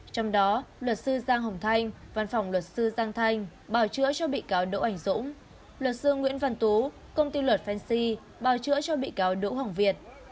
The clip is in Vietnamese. trong đó luật sư giang hồng thanh văn phòng luật sư giang thanh bảo chữa cho bị cáo đỗ ánh dũng luật sư nguyễn văn tú công ty luật fancy bảo chữa cho bị cáo đỗ hoàng việt